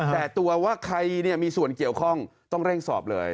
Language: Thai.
แต่ตัวว่าใครมีส่วนเกี่ยวข้องต้องเร่งสอบเลย